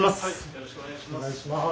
よろしくお願いします。